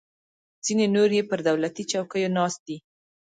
ځینې نور یې پر دولتي چوکیو ناست دي.